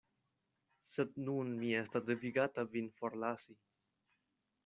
Sed nun mi estas devigata vin forlasi.